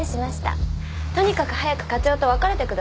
とにかく早く課長と別れてくださいね。